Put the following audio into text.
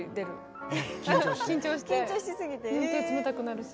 手冷たくなるし。